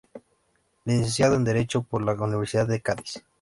Licenciado en Derecho por la Universidad de Cádiz.